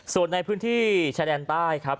ส่วนในพื้นที่ชายแดนใต้ครับ